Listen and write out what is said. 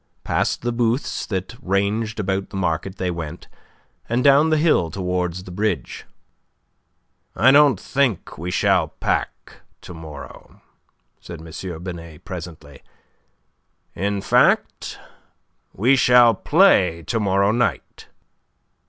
Past the booths that ranged about the market they went, and down the hill towards the bridge. "I don't think we shall pack to morrow," said M. Binet, presently. "In fact, we shall play to morrow night."